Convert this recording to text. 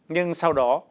nhưng sau đó